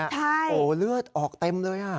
ใช่โอ้เลือดออกเต็มเลยอะ